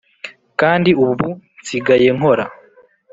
kandi ubu nsigaye nkora